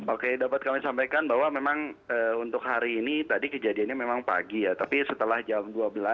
oke dapat kami sampaikan bahwa memang untuk hari ini tadi kejadiannya memang pagi ya tapi setelah jam dua belas